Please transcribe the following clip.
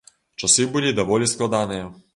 Часы былі даволі складаныя.